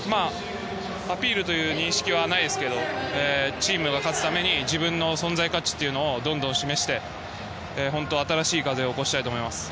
アピールという認識はないですがチームが勝つために自分の存在価値というのをどんどん示して、新しい風を起こしたいと思います。